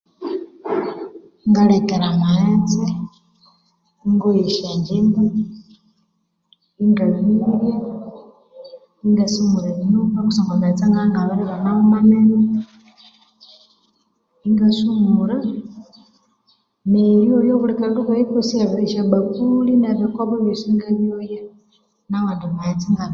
Ngalekera amaghetse ingoya esyangyimba ingabirya ingasumura enyumba kusangwa amaghetse ngabya inabiribanaghu manene ingasumura neryoya bulikandukayi akosi esyabakuli nebikopo ebyosi engabyoya nawandi maghetse inga